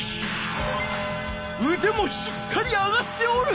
うでもしっかり上がっておる。